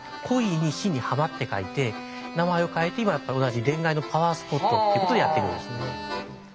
「恋」に「し」に「浜」って書いて名前を変えて今やっぱ同じ恋愛のパワースポットっていうことでやっているようですね。